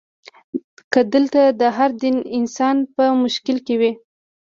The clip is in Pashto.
که دلته د هر دین انسان په مشکل کې وي.